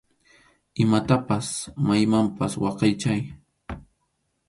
Imatapas maymanpas waqaychay.